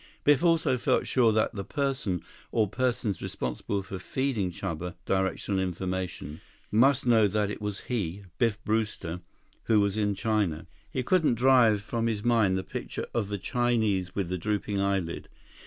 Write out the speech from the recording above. Biff also felt sure that the person, or persons, responsible for feeding Chuba directional information must know that it was he, Biff Brewster, who was in China. He couldn't drive from his mind the picture of the Chinese with the drooping eyelid.